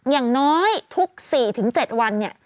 อย่างน้อยทุก๔๗วัน